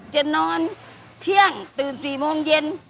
จะนอนเที่ยงตื่น๔โมงเย็น